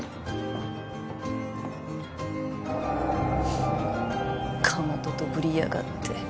フンッかまととぶりやがって。